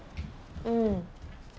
うん。